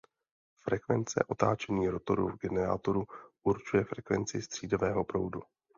Frekvence otáčení rotoru v generátoru určuje frekvenci střídavého proudu.